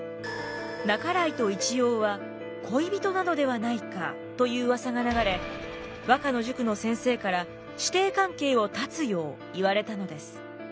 半井と一葉は恋人なのではないかといううわさが流れ和歌の塾の先生から師弟関係を断つよう言われたのです。